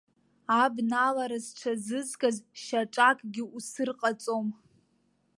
Абналара зҽазызкыз шьаҿакгьы усырҟаҵом.